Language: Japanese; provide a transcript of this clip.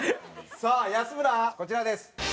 さあ安村はこちらです。